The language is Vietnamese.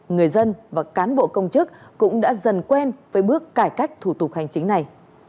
người dân và cán bộ công chức cũng đã dần quen với bước cải cách thủ tục hành chính này